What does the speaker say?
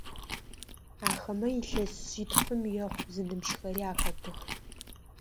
Ахэмэ илъэс шъитфым ехъу зыныбжьыхэри ахэтых.